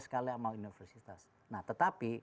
sekali sama universitas nah tetapi